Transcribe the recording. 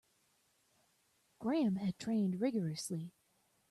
Graham had trained rigourously.